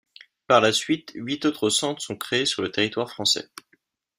Par la suite, huit autres centres sont créés sur le territoire français.